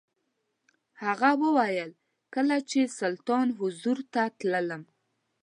هغه وویل کله چې سلطان حضور ته تللم.